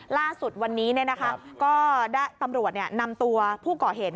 ล่าสุดวันนี้ก็ตำรวจนำตัวผู้ก่อเหตุ